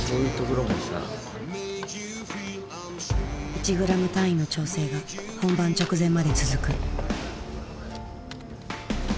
１グラム単位の調整が本番直前まで続く。